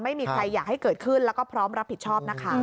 ไม่มีใครอยากให้เกิดขึ้นแล้วก็พร้อมรับผิดชอบนะคะ